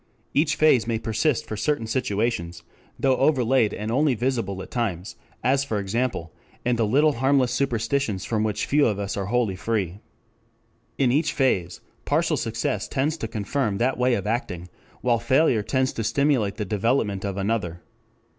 Each phase may persist for certain situations, though overlaid and only visible at times, as for example, in the little harmless superstitions from which few of us are wholly free. In each phase, partial success tends to confirm that way of acting, while failure tends to stimulate the development of another.